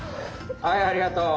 はいありがとう。